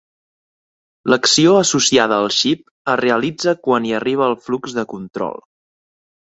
L'acció associada al xip es realitza quan hi arriba el flux de control.